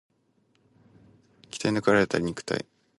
鍛え抜かれた肉体